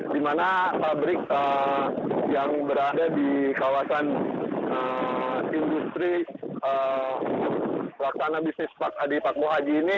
di mana pabrik yang berada di kawasan industri laksana bisnis pak adi pak mohaji ini